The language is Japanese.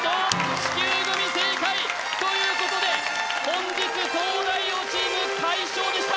地球グミ正解ということで本日東大王チーム快勝でした！